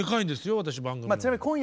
私番組の。